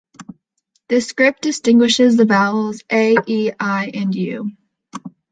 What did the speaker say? The script distinguishes the vowels "a", "e", "i" and "u".